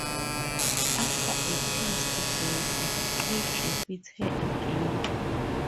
After a pitched battle, Kate defeats her again.